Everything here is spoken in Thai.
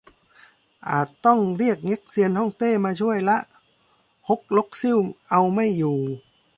อาจต้องเรียกเง็กเซียนฮ่องเต้มาช่วยละ ฮกลกซิ่วเอาไม่อยู่